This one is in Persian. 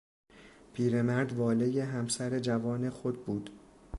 پیرمرد والهی همسر جوان خود بود.